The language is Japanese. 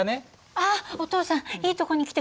あっお父さんいいとこに来てくれた。